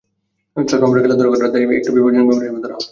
চশমা পরে খেলাধুলা করাটা তাই একটু বিপজ্জনক ব্যাপার হিসেবেই ধরা হয়।